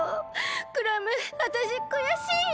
クラムわたしくやしいよ。